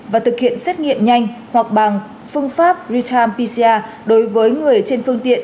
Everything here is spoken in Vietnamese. và thực hiện xét nghiệm nhanh hoặc bằng phương pháp retarm pcr đối với người trên phương tiện